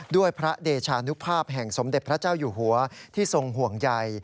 ด้วยพระเดชานุภาพแห่งสมเด็จพระเจ้าอยู่หัวที่ทรงห่วงใย